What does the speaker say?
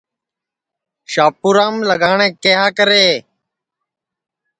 شاپُورام لگاٹؔے کیہا کرے